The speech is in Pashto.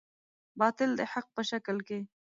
باطل د حق په شکل کې.